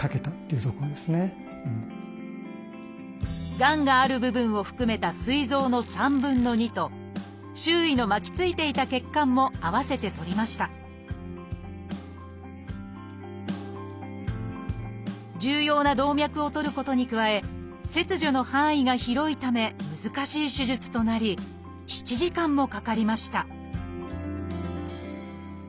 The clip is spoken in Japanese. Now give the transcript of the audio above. がんがある部分を含めたすい臓の３分の２と周囲の巻きついていた血管も併せて取りました重要な動脈を取ることに加え切除の範囲が広いため難しい手術となり７時間もかかりました